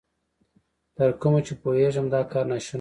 تر کومه چې پوهېږم، دا کار نا شونی دی.